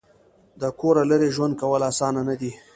د کوره لرې ژوند کول اسانه نه دي.